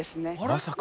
まさか！